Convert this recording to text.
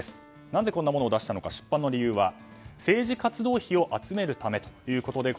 なぜこんなものを出したのか出版の理由は政治活動費を集めるためということです。